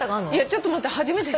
ちょっと待って。